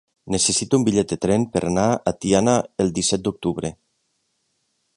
Necessito un bitllet de tren per anar a Tiana el disset d'octubre.